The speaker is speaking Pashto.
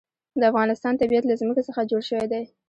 د افغانستان طبیعت له ځمکه څخه جوړ شوی دی.